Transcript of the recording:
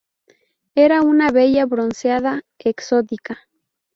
era una belleza bronceada, exótica